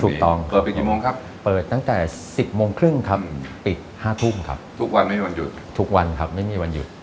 ถูกต้องเปิดไปกี่โมงครับเปิดตั้งแต่๑๐โมงครึ่งครับปิด๕ทุ่มครับทุกวันไม่มีวันหยุด